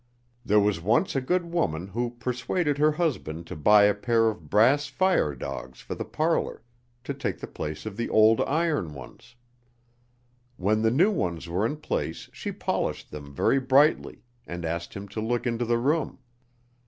There was once a good woman who persuaded her husband to buy a pair of brass fire dogs for the parlor, to take the place of the old iron ones. When the new ones were in place she polished them very brightly and asked him to look into the room.